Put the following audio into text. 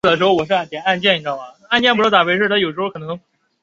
曾祖父陆子真。